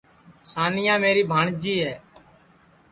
سانیا میری بھانٚجی ہے